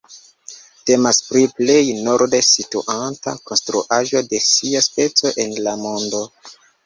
Temas pri plej norde situanta konstruaĵo de sia speco en la mondo.